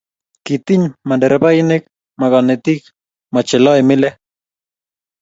kitiny ma nderebainik, ma konetik, ma che loe mile.